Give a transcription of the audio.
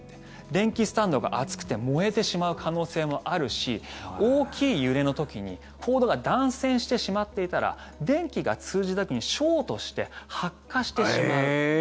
電気スタンドが熱くて燃えてしまう可能性もあるし大きい揺れの時にコードが断線してしまっていたら電気が通じた時にショートして発火してしまう。